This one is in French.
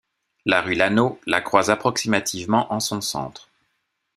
La rue Laneau la croise approximativement en son centre.